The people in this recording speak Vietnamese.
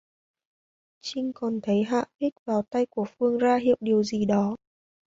Trinh còn thấy Hạ huých vào tay của Phương ra hiệu điều gì đó